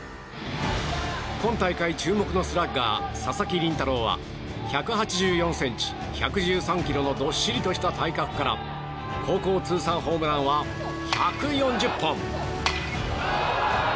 今大会注目のスラッガー佐々木麟太郎は１８４ｃｍ、１１３ｋｇのどっしりとした体格から高校通算ホームランは１４０本。